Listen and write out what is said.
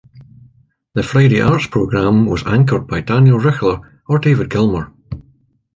The Friday arts program was anchored by Daniel Richler or David Gilmour.